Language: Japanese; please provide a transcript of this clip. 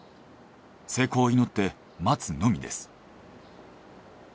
成功を祈って待つのみです。